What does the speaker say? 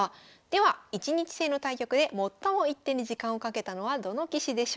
では一日制の対局で最も１手に時間をかけたのはどの棋士でしょうか？